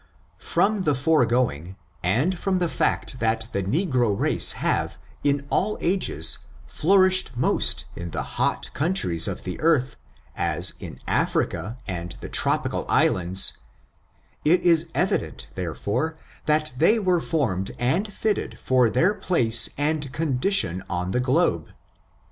63 •: I From the foregoing, and from the fact that the ne gro race have, in all ages, flourished most in the hot countries of the earth, as in Africa, and the tropical islands, it is evident, therefore, that they were formed and fitted for their place and condition on the globe.